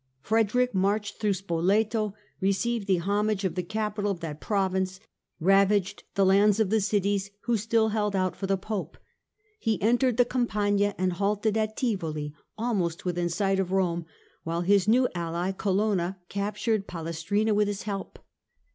Frederick marched through Spoleto, received the homage of the capital of that province, ravaged the lands of the cities who still held out for the Pope. He entered the Campagna and halted at Tivoli almost within sight of Rome, while his new ally, Colonna, captured Palestrina with his help.